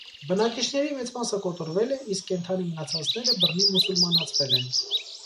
Բնակիչների մեծ մասը կոտորվելը, իսկ կենդանի մնացածները բռնի մուսուլմանացվել են։